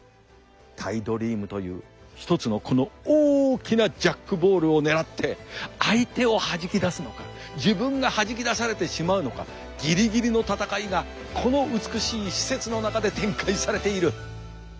タイドリームという一つのこの大きなジャックボールを狙って相手をはじき出すのか自分がはじき出されてしまうのかギリギリの闘いがこの美しい施設の中で展開されている。